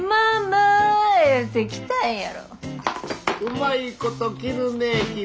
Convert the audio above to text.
うまいこと切るね君。